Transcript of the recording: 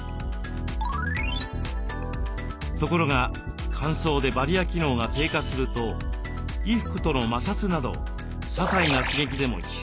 ところが乾燥でバリア機能が低下すると衣服との摩擦などささいな刺激でもヒスタミンを放出。